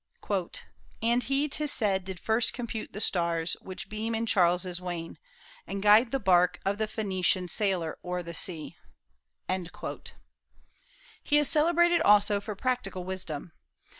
"And he, 'tis said, did first compute the stars Which beam in Charles's wain, and guide the bark Of the Phoenecian sailor o'er the sea." He is celebrated also for practical wisdom.